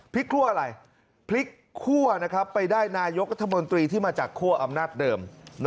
คั่วอะไรพลิกคั่วไปได้นายกรัฐมนตรีที่มาจากคั่วอำนาจเดิม